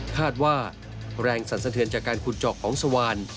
คาดว่าแรงสั่นสะเทือนจากการขุดเจาะของสวาน